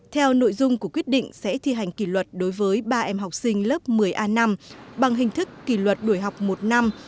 theo nội dung của quyết định sẽ thi hành kỷ luật đối với ba em học sinh lớp một mươi a năm bằng hình thức kỷ luật đuổi học một năm